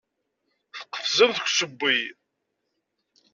Tqefzem deg usewwi.